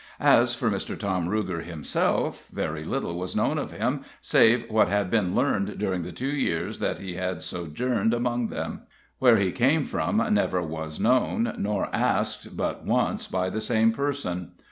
As for Mr. Tom Ruger himself, very little was known of him save what had been learned during the two years that he had sojourned among them. Where he came from never was known, nor asked but once by the same person.